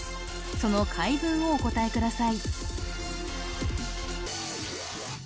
その回文をお答えください